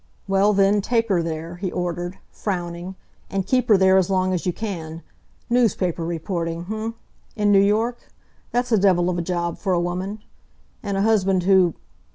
"Well then, take her there," he ordered, frowning, "and keep her there as long as you can. Newspaper reporting, h'm? In New York? That's a devil of a job for a woman. And a husband who...